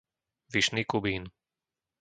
Vyšný Kubín